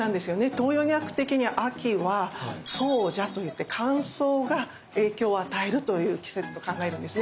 東洋医学的に秋は燥邪といって乾燥が影響を与えるという季節と考えるんですね。